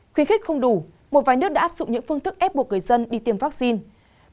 khuyến khích không đủ một vài nước đã áp dụng những phương thức ép buộc người dân đi tiêm vaccine